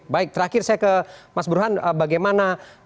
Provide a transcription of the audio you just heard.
baik terakhir saya ke mas burhan bagaimana